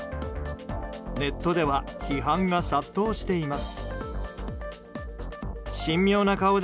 ネットでは批判が殺到しています。